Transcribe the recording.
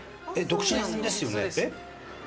「独身ですよね？」。